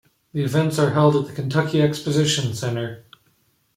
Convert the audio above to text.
The events are held at the Kentucky Exposition Center.